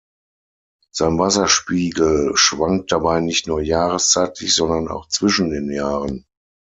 Sein Wasserspiegel schwankt dabei nicht nur jahreszeitlich, sondern auch zwischen den Jahren.